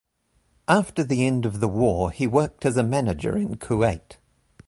After the end of the war he worked as a manager in Kuwait.